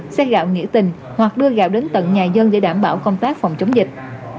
xe gạo nghĩa tình hoặc đưa gạo đến tận nhà dân để đảm bảo công tác phòng chống dịch